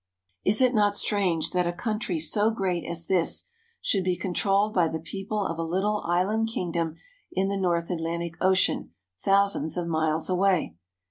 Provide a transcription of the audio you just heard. Is it not strange that a country so great as this should be controlled by the people of a little island kingdom in the North Atlantic Ocean thousands of miles away